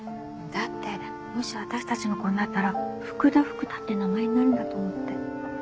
だってもし私たちの子になったら福田福多って名前になるんだと思って。